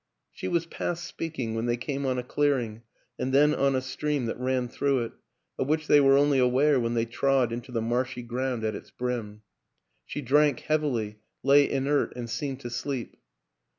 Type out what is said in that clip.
She was past speaking when they came on a clear ing, and then on a stream that ran through it, of which they were only aware when they trod into the marshy ground at its brim. She drank heavily, lay inert and seemed to sleep.